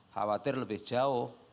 khawatir lebih jauh